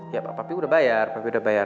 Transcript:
ya pak papi udah bayar